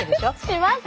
します！